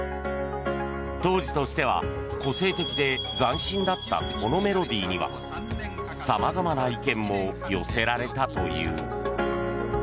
当時としては個性的で斬新だったこのメロディーには様々な意見も寄せられたという。